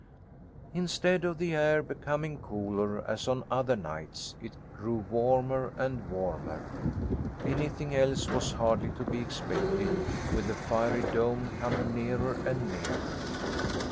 Instead of the air becoming cooler, as on other nights, it grew warmer and warmer. Anything else was hardly to be expected, with the fiery dome coming nearer and nearer.